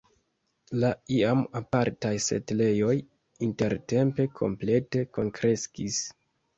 La iam apartaj setlejoj intertempe komplete kunkreskis.